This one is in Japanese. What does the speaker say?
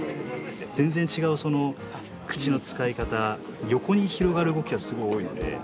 全然違う口の使い方横に広がる動きがすごい多いので。